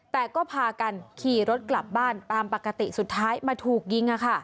แต่ก็พากันขี่รถกลับบ้านตามปกติสุดท้ายมาถูกยิง